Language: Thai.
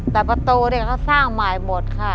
แต่ประตูเนี่ยเขาสร้างใหม่หมดค่ะ